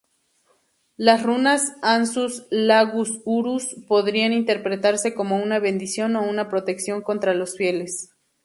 Las runas ansuz-laguz-uruz podrían interpretarse como una bendición o una protección contra los infieles.